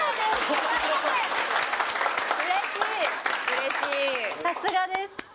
うれしいさすがです